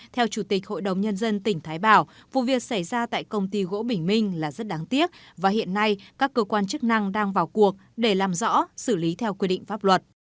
theo chủ tịch hội đồng nhân dân tỉnh thái bảo vụ việc xảy ra tại công ty gỗ bình minh là rất đáng tiếc và hiện nay các cơ quan chức năng đang vào cuộc để làm rõ xử lý theo quy định pháp luật